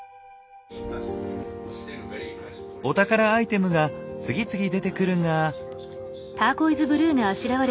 お宝アイテムが次々出てくるが。